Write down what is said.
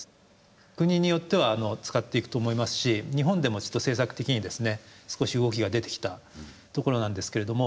国によっては使っていくと思いますし日本でもちょっと政策的にですね少し動きが出てきたところなんですけれども。